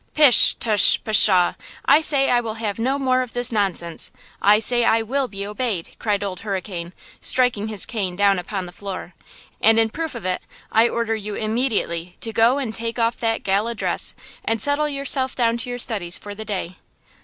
"Pish! tush! pshaw! I say I will have no more of this nonsense. I say I will be obeyed," cried Old Hurricane, striking his cane down upon the floor, "and in proof of it I order you immediately to go and take off that gala dress and settle yourself down to your studies for the day."